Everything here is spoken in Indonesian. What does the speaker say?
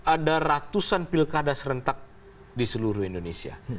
dua ribu delapan belas ada ratusan pilkada serentak di seluruh indonesia